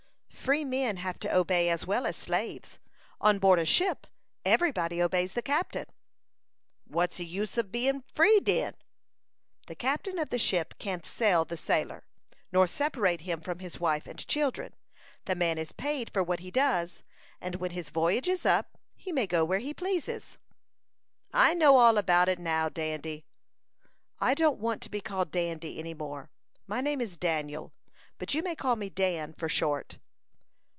"Free men have to obey, as well as slaves. On board a ship, every body obeys the captain." "What's use ob bein free, den?" "The captain of the ship can't sell the sailor, nor separate him from his wife and children. The man is paid for what he does, and when his voyage is up he may go where he pleases." "I knows all about it now, Dandy." "I don't want to be called Dandy any more. My name is Daniel, but you may call me Dan for short."